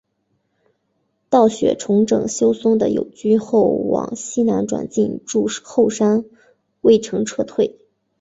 道雪重整休松的友军后往西南转进筑后山隈城撤退。